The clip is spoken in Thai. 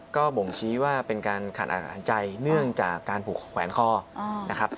ก็บ่งชี้ว่าเป็นการขาดอากาศใจเหนื่องจากการผลวงแขวนข้อ